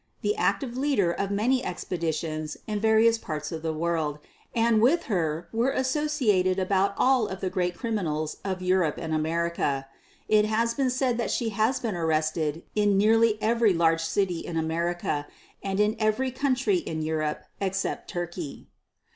the active leader of INTRODUCTION 9 many expeditions in various parts of the world, and with her were associated about all of the great criminals of Europe and America. It has been said that she has been arrested in nearly every large city in America, and in every country in Europe ex cept Turkey.